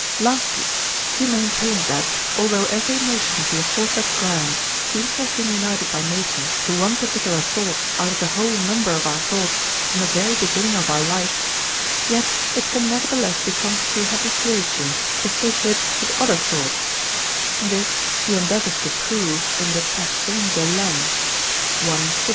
Lastly, he maintained that, although every motion of the aforesaid gland seems to have been united by nature to one particular thought out of the whole number of our thoughts from the very beginning of our life, yet it can nevertheless become through habituation associated with other thoughts; this he endeavours to prove in the Passions de l'âme, I.